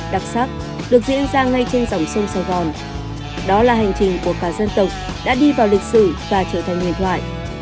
đặc sắc được diễn ra ngay trên dòng sông sài gòn đó là hành trình của cả dân tộc đã đi vào lịch sử và trở thành huyền thoại